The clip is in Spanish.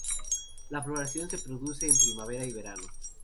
La floración se produce en primavera y verano.